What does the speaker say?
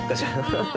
ハハハッ。